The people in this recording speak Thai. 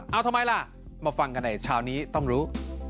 เอาทำไมล่ะมาฟังกันในเช้านี้ต้องรู้